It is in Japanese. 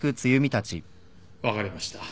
分かりました。